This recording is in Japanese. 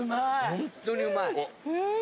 ホントにうまい！